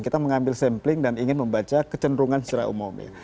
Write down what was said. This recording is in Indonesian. kita mengambil sampling dan ingin membaca kecenderungan secara umum ya